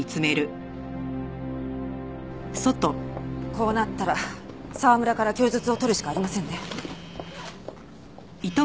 こうなったら沢村から供述を取るしかありませんね。